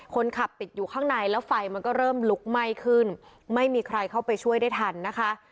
คนขับติดอยู่ข้างในแล้วไฟมันก็เริ่มลุกไหม้ขึ้นไม่มีใครเข้าไปช่วยได้ทันนะคะ